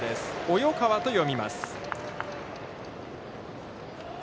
及川と読みます。